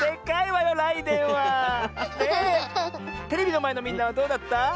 テレビのまえのみんなはどうだった？